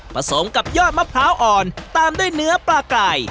สมกับยอดมะพร้าวอ่อนตามด้วยเนื้อปลาไก่